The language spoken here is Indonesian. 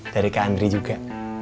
dari kak andri juga